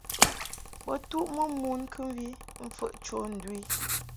Bo tuʼmɨ mon kɨmvi mfəʼ cho ndu i.